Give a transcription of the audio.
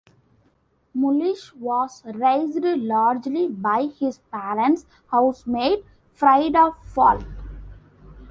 Mulisch was raised largely by his parents' housemaid, Frieda Falk.